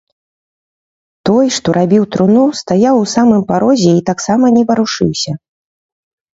Той, што рабіў труну, стаяў у самым парозе і таксама не варушыўся.